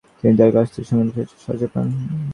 তিনি তার কাছ থেকে সঙ্গীত চর্চার সাহায্য পান।